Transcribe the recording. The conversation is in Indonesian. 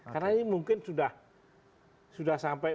karena ini mungkin sudah sampai